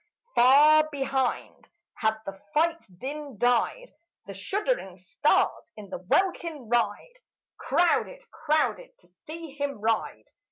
Far behind had the fight's din died; The shuddering stars in the welkin wide Crowded, crowded, to see him ride.